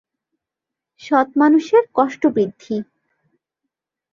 সৎ মানুষের কষ্ট বৃদ্ধি।